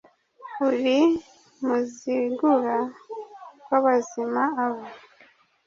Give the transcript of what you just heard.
uri muzigura w' abazima aba